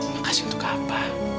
makasih untuk apa